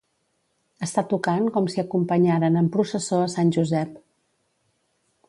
Estar tocant com si acompanyaren en processó a sant Josep.